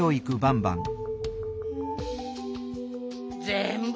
ぜんぶ